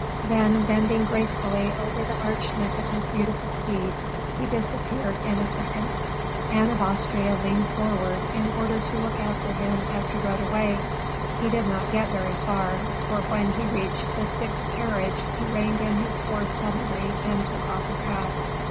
Then bending gracefully over the arched neck of his beautiful steed, he disappeared in a second. Anne of Austria leaned forward, in order to look after him as he rode away; he did not get very far, for when he reached the sixth carriage, he reined in his horse suddenly and took off his hat.